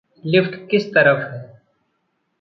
Lift किस तरफ़ है?